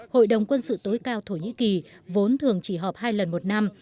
hội đồng quân sự tối cao thổ nhĩ kỳ vốn thường chỉ họp hai lần một năm